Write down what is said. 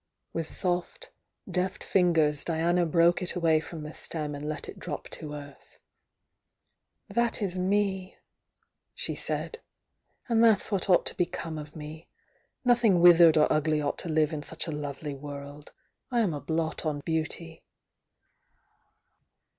With soft, deft fingers Diana broke it away from the stem and let it drop to earth. "That is me!" she said. "And that's what ought to become of me! Nothing withered or ugly ought to live in such a lovely world. I am a blot on beauty."